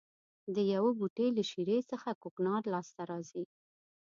د یوه بوټي له شېرې څخه کوکنار لاس ته راځي.